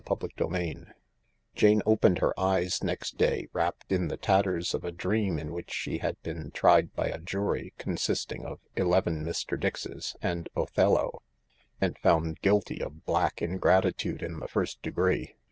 CHAPTER XVIII Jane opened her eyes next day wrapped in the tatters of a dream in which she had been tried by a jury consisting of eleven Mr. Dixes and Othello, and found guilty of black ingratitude in the first degree.